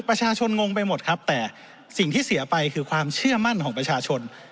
ประชาชนงงไปหมดครับแต่สิ่งที่เสียไปคือความเชื่อมั่นของประชาชน